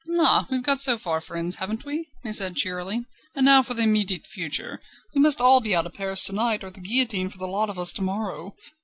"La! we've got so far, friends, haven't we?" he said cheerily, "and now for the immediate future. We must all be out of Paris to night, or the guillotine for the lot of us to morrow."